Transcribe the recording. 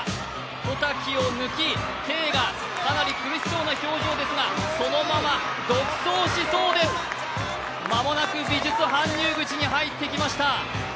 小瀧を抜き、Ｋがかなり苦しそうな表情ですが、そのまま独走しそうです、間もなく美術搬入口に入ってきました。